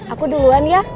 aku duluan ya